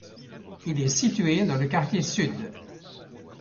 Il est situé dans le quartier sud.